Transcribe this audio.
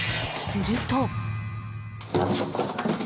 すると。